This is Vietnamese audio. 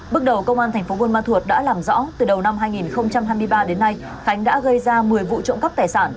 bước đầu công an thành phố buôn ma thuột đã làm rõ từ đầu năm hai nghìn hai mươi ba đến nay khánh đã gây ra một mươi vụ trộm cắp tài sản